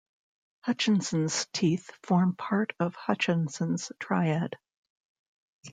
Hutchinson's teeth form part of Hutchinson's triad.